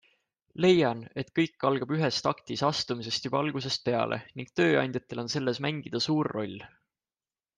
Leian, et kõik algab ühes taktis astumisest juba algusest peale ning tööandjatel on selles mängida suur roll.